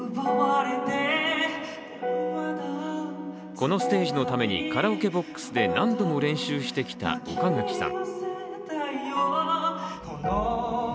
このステージのためにカラオケボックスで何度も練習してきた岡垣さん。